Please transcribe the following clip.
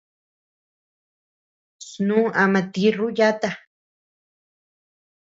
Snu ama tirru yata.